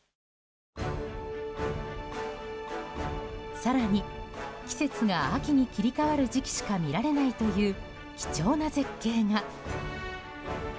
更に、季節が秋に切り替わる時期しか見られないという貴重な絶景が。